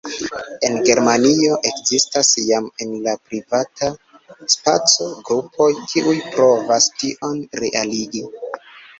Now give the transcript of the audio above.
En Germanio ekzistas jam en la privata spaco grupoj, kiuj provas tion realigi.